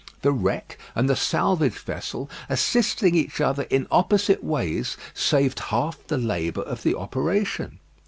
The wreck and the salvage vessel assisting each other in opposite ways, saved half the labour of the operation.